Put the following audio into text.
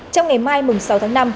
trong ngày mai sáu tháng năm